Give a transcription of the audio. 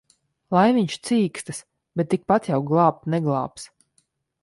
Lai viņš cīkstas! Bet tikpat jau glābt neglābs.